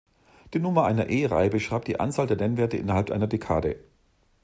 Die Nummer einer E-Reihe beschreibt die Anzahl der Nennwerte innerhalb einer Dekade.